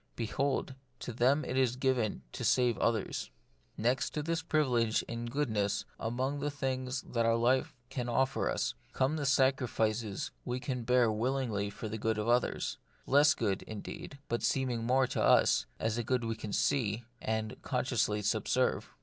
Behold, to them too it is given to save others. Next to this privilege in goodness, among the things that life can offer us, come the sacrifices we can bear willingly for the good of others; less good, indeed, but seeming more to us, a good that we can see, and consciously subserve.